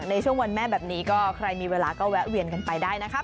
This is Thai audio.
ในช่วงวันแม่แบบนี้ก็ใครมีเวลาก็แวะเวียนกันไปได้นะครับ